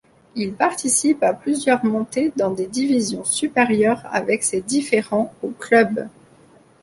Il participe à plusieurs montées dans des divisions supérieures avec ses différents au club.